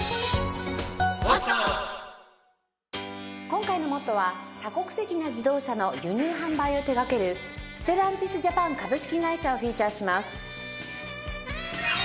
今回の『ＭＯＴＴＯ！！』は多国籍な自動車の輸入販売を手掛けるＳｔｅｌｌａｎｔｉｓジャパン株式会社をフィーチャーします。